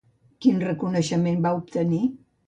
Quin reconeixement va obtenir?